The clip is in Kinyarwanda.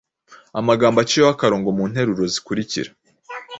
amagambo aciyeho akarongo mu nteruro zikurikira.